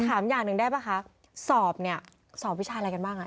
ถามอย่างหนึ่งได้ป่ะคะสอบเนี่ยสอบวิชาอะไรกันบ้างอ่ะ